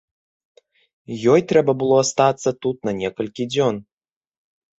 Ёй трэба было астацца тут на некалькі дзён.